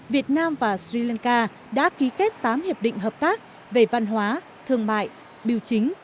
việt nam và sri lanka đã ký kết tám hiệp định hợp tác về văn hóa thương mại biểu chính